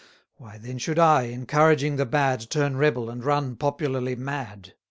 Why then should I, encouraging the bad, Turn rebel and run popularly mad?